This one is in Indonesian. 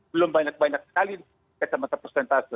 belum banyak banyak sekali kacamata persentase